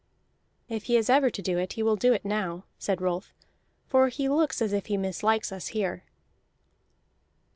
"If he is ever to do it, he will do it now," said Rolf. "For he looks as if he mislikes us here."